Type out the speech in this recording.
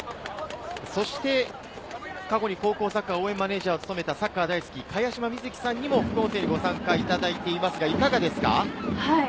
そして過去に高校サッカーでマネジャーを務めたサッカー大好き、茅島みずきさんにも副音声にご参加いただいていますが、いかがですか？